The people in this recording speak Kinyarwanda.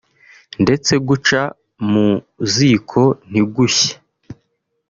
ndetse guca mu ziko ntigushye